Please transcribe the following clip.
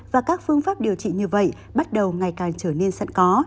và các phương pháp điều trị như vậy bắt đầu ngày càng trở nên sẵn có